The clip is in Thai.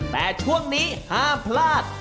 ห้ามพลาด